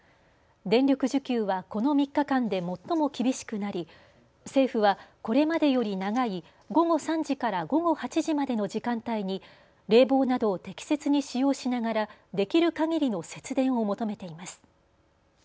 電力需給はこの３日間で最も厳しくなり政府はこれまでより長い午後３時から午後８時までの時間帯に冷房などを適切に使用しながらできるかぎりの節電を求めています。